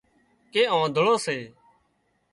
ڪي آنڌۯو سي